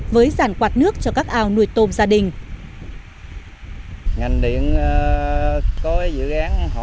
với giản quạt nước cho các ao nuôi tôm gia đình